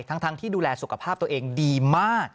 ทั้งที่ดูแลสุขภาพตัวเองดีมาก